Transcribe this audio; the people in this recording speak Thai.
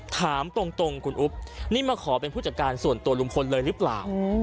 ถามตรงคุณอุ๊บนี่มาขอเป็นผู้จัดการส่วนตัวลุงพลเลยหรือเปล่า